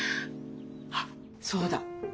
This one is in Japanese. あっそうだ。